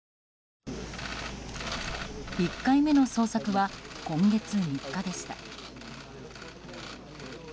１回目の捜索は今月３日でした。